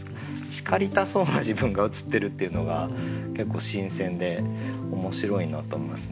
叱りたそうな自分が映ってるっていうのが結構新鮮で面白いなと思いますね。